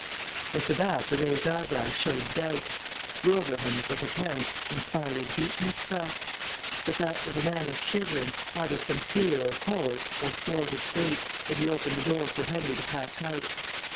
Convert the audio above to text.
As to that the raised eyebrows showed doubt. Wilbraham, it was apparent, inspired a deep mistrust. The fat little man was shivering, either from fear or cold or thwarted sleep, as he opened the door for Henry to pass out.